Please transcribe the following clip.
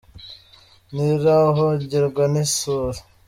Ntiruhungirwa n’isuri.